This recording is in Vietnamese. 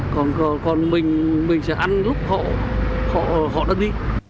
còn mình sẽ ăn lúc họ đã đi